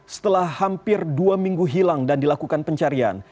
setelah hampir dua minggu hilang dan dilakukan pencarian